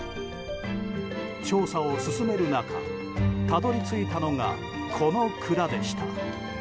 調査を進める中たどり着いたのがこの蔵でした。